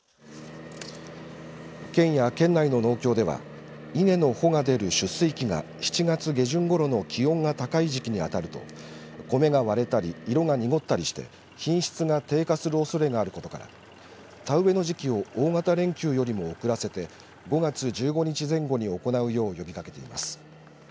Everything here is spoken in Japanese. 県や県内の農協では稲の穂が出る出穂期が７月下旬ごろの気温が高い時期に当たると米が割れたり色が濁ったりして品質が低下するおそれがあることから田植えの時期を大型連休よりも遅らせて５月１５日前後に行うよう呼びかけています。